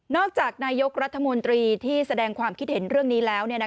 จากนายกรัฐมนตรีที่แสดงความคิดเห็นเรื่องนี้แล้ว